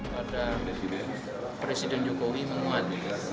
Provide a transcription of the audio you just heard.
pada presiden jokowi menguat